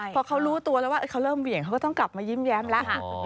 พอเขารู้ตัวแล้วว่าเขาเริ่มเหวี่ยงเขาก็ต้องกลับมายิ้มแย้มแล้ว